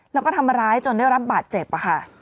แล้วก็ทำร้ายจนได้รับบาดเจ็บค่ะ